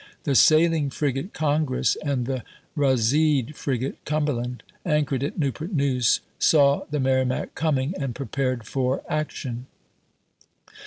The sailing frigate Congress, and the razeed frigate Cumherland, anchored at Newport News, saw the Merrimac coming, and prepared for action.